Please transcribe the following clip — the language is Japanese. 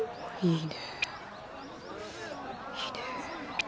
いいねえ。